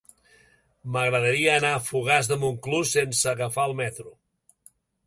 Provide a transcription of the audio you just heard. M'agradaria anar a Fogars de Montclús sense agafar el metro.